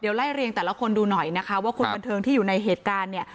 เดี๋ยวไล่เรียงแต่ละคนดูหน่อยนะคะว่าคนบันเทิงที่อยู่ในเหตุการณ์เนี่ย